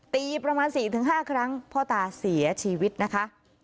ประมาณ๔๕ครั้งพ่อตาเสียชีวิตนะคะ